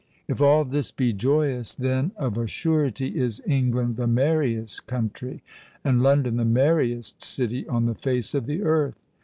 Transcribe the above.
If all this be joyous, then, of a surety, is England the merriest country, and London the merriest city, on the face of the earth.